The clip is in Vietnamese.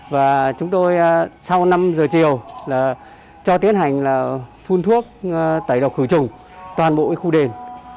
và chúng tôi sau năm giờ chiều là cho tiến hành là phun thuốc tẩy độc khử trùng toàn bộ khu đền